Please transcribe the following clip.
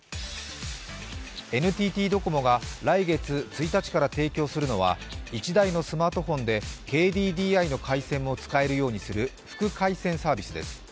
ＮＴＴドコモが来月１日から提供するのは１台のスマートフォンで１台のスマホでＫＤＤＩの回線を使えるようにする副回線サービスです。